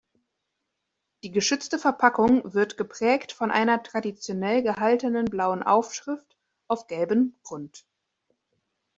Die geschützte Verpackung wird geprägt von einer traditionell gehaltenen blauen Aufschrift auf gelbem Grund.